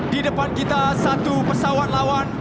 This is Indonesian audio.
di depan kita satu pesawat lawan